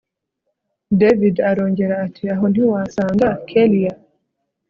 david arongera ati aho ntiwasanga kellia